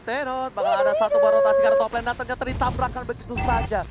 tenno bakal ada satu buat rotasi karena top lane datangnya ternyata ditabrakkan begitu saja